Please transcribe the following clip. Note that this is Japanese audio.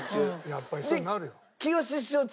やっぱりそうなるよ。